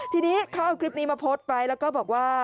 ทีนี้เขาเอาคลิปนี้มาโพสต์ไว้แล้วก็บอกว่า